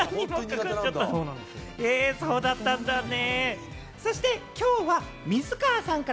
え、そうだったんだね。